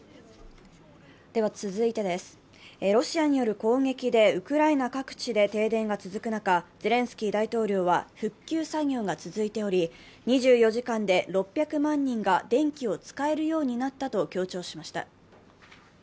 ロシアによる攻撃でウクライナ各地で停電が続く中、ゼレンスキー大統領は、復旧作業が続いており、２４時間で６００万人が電気を使えるようになったと強調しました。